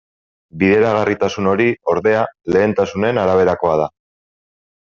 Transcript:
Bideragarritasun hori, ordea, lehentasunen araberakoa da.